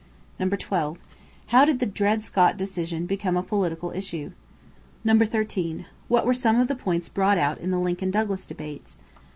12. How did the Dred Scott decision become a political issue? 13. What were some of the points brought out in the Lincoln Douglas debates?